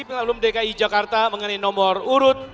pengalaman dki jakarta mengenai nomor urut